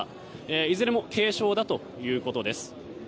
いずれも軽傷だということです。